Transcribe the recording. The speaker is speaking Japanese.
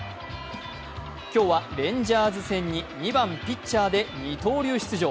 今日はレンジャーズ戦に２番・ピッチャーで二刀流出場。